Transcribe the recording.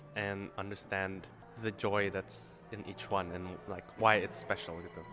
dan memahami kegembiraan yang ada di setiap lagu dan mengapa itu istimewa gitu